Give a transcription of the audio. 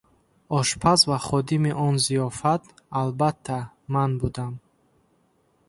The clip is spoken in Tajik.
Ошпаз ва ходими он зиёфат, албатта, ман будам.